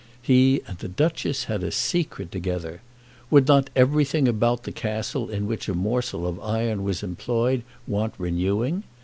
He and the Duchess had a secret together. Would not everything about the Castle in which a morsel of iron was employed want renewing?